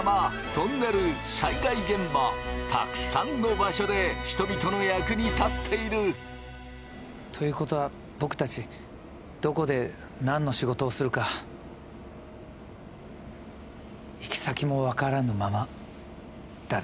たくさんの場所で人々の役に立っている！ということは僕たちどこで何の仕事をするか行き先も解らぬままだね。